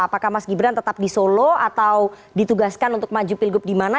apakah mas gibran tetap di solo atau ditugaskan untuk maju pilgub di mana